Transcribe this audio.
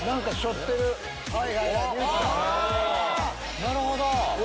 なるほど！